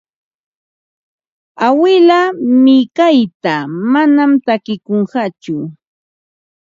Awilaa Mikayla manam takikunqatsu.